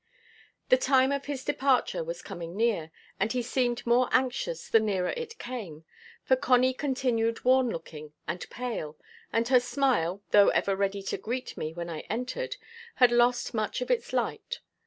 The time of his departure was coming near, and he seemed more anxious the nearer it came; for Connie continued worn looking and pale; and her smile, though ever ready to greet me when I entered, had lost much of its light.